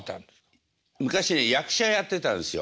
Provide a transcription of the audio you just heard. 昔は役者やってたんですよ。